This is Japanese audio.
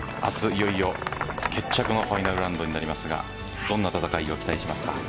いよいよ決着のファイナルラウンドになりますがどんな戦いを期待しますか？